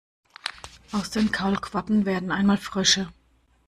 Aus den Kaulquappen werden einmal Frösche.